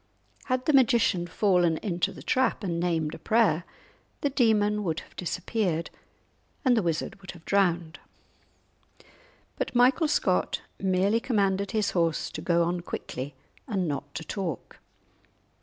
Had the magician fallen into the trap and named a prayer, the demon would have disappeared and the wizard would have been drowned! But Michael Scott merely commanded his steed to go on quickly and not to talk.